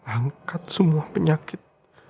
angkat semua penyakit